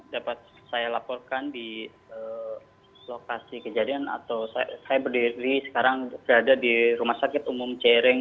dapat saya laporkan di lokasi kejadian atau saya berdiri sekarang berada di rumah sakit umum cereng